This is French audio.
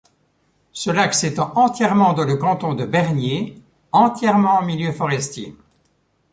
Ce lac s’étend entièrement dans le canton de Bernier, entièrement en milieu forestier.